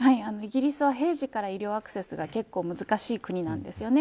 イギリスは平時から医療アクセスが結構難しい国なんです。